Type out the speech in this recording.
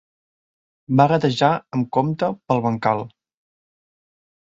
Va gatejar amb compte pel bancal.